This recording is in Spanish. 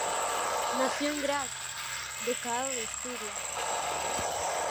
Nació en Graz, ducado de Estiria.